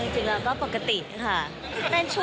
จริงแล้วก็ปกติค่ะ